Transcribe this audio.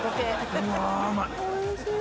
うわうまい。